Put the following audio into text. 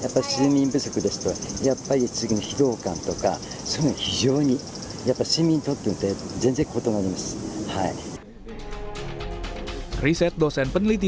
pemerintah menurut peneliti